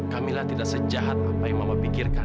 kamilah tidak sejahat apa yang mama pikirkan